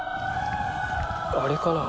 あれかな？